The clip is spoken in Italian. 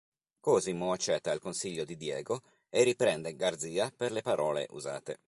Cosimo accetta il consiglio di Diego, e riprende Garzia per le parole usate.